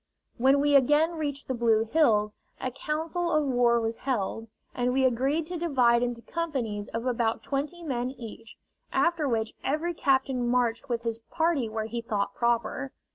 When we again reached the Blue Hills, a council of war was held, and we agreed to divide into companies of about twenty men each, after which every captain marched with his party where he thought proper.